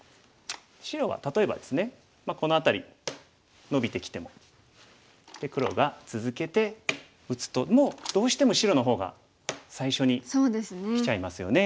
白は例えばですねこの辺りノビてきてもで黒が続けて打つともうどうしても白の方が最初にきちゃいますよね。